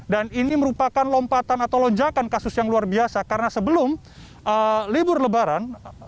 dan ini merupakan lompatan atau lonjakan kasus yang luar biasa karena sebelum libur lebaran